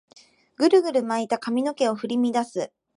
グルグルに巻いた髪の毛を振り乱す